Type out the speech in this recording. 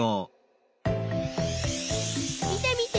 みてみて！